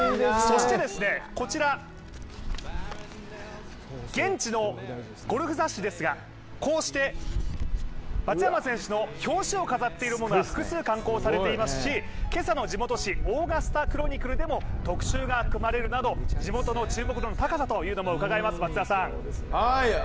そして、こちら、現地のゴルフ雑誌ですが、こうして松山選手が表紙を飾っているものが複数刊行されていますし今朝の地元紙「オーガスタ・クロニクル」でも特集が組まれるなど、地元の注目度の高さというのもうかがえます。